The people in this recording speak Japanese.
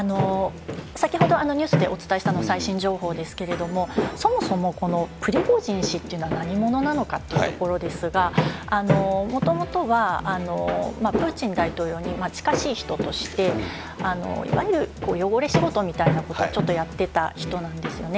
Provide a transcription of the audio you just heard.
先ほどニュースでお伝えしたのは最新情報ですけれども、そもそもこのプリゴジン氏というのは何者なのかっていうところですが、もともとはプーチン大統領に近しい人として、いわゆる汚れ仕事みたいなことをちょっとやってた人なんですよね。